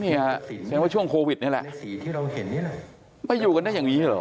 นี่แสดงว่าช่วงโควิดนี่แหละไม่อยู่กันได้อย่างนี้หรอก